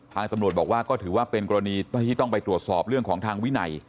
ตำรวจบอกว่าก็ถือว่าเป็นกรณีที่ต้องไปตรวจสอบเรื่องของทางวินัย